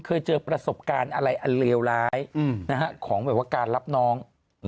เคยเจอประสบการณ์อะไรอันเลวร้ายของแบบว่าการรับน้อง